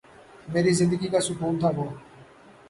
میری زندگی کا سکون تھا وہ